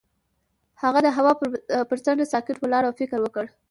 هغه د هوا پر څنډه ساکت ولاړ او فکر وکړ.